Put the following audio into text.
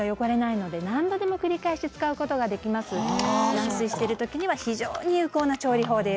断水してる時には非常に有効な調理法です。